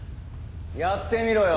やってみろよ。